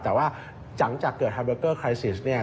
แต่ว่าจังจากเกิดไฮบริกเกอร์คลายซิสเนี่ย